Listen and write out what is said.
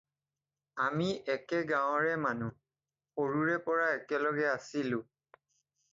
আমি একে গাঁৱৰে মানুহ, সৰুৰে পৰা একেলগে আছিলোঁ।